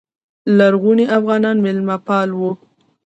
لرغوني افغانان میلمه پال وو